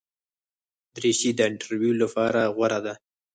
دریشي د انټرویو لپاره غوره ده.